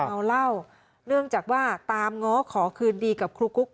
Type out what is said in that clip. เมาเหล้าเนื่องจากว่าตามง้อขอคืนดีกับครูกุ๊ก